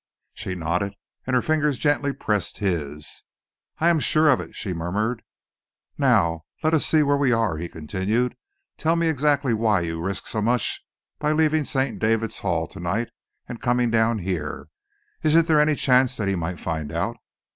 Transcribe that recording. She nodded, and her fingers gently pressed his. "I am sure of it," she murmured. "Now let us see where we are," he continued. "Tell me exactly why you risked so much by leaving St. David's Hall to night and coming down here. Isn't there any chance that he might find out?"